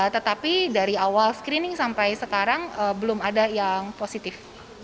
tetapi dari awal screening sampai sekarang belum ada yang positif